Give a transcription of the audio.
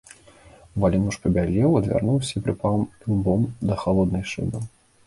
Валін муж пабялеў, адвярнуўся і прыпаў ілбом да халоднай шыбы.